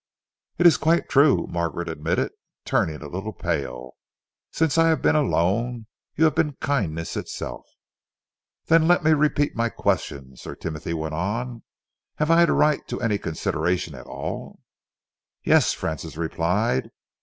"It is quite true," Margaret admitted, turning a little pale. "Since I have been alone, you have been kindness itself." "Then let me repeat my question," Sir Timothy went on, "have I the right to any consideration at all?" "Yes," Francis replied.